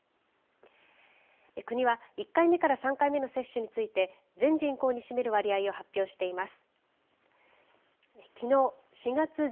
国は１回目から３回目の接種について全人口に占める割合を発表しています。